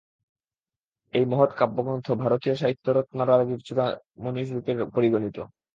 এই মহৎ কাব্যগ্রন্থ ভারতীয় সাহিত্যরত্নরাজির চূড়ামণিরূপে পরিগণিত।